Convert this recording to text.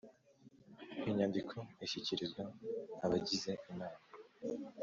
inyandiko ishyikirizwa abagize inama